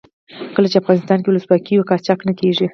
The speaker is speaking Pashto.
کله چې افغانستان کې ولسواکي وي قاچاق نه کیږي.